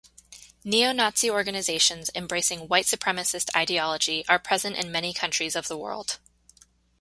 Neo-Nazi organisations embracing white-supremacist ideology are present in many countries of the world.